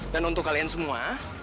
dan untuk kalian semua